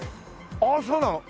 ああっそうなの？